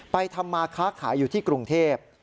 ทำมาค้าขายอยู่ที่กรุงเทพ